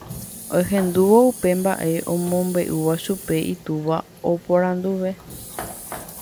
Ohendúvo upe mba'e omombe'úva chupe itúva oporanduve.